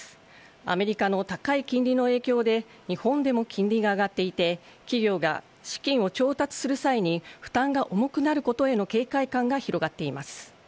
アメリカの高い金利の影響で日本でも金利が上がっていて企業が資金を調達する際に負担が重くなることへの警戒感が広がっています。